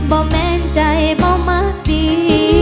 แม่นใจบ่มากดี